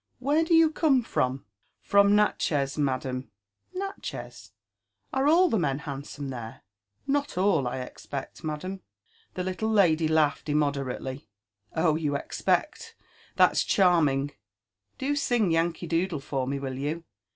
— Where do you come from T From Natchez, madam." " Natchez! — are all the men handsome there?" Not all, I expect, madam." The little lady laughed immoderately. Oh, you expect !— that's charming !— Do sing Yankee Doodle for me, will you